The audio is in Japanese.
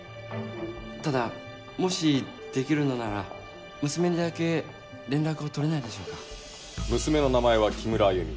ただもしできるのなら娘にだけ連絡を取れないでしょうか娘の名前は木村あゆみ